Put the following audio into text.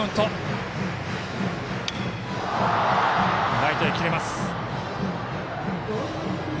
ライトへ切れます。